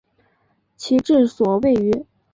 其治所位于。